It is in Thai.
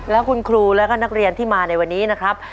แล้วคุณครูแล้วก็นักเรียนที่มาในวันนี้นะครับ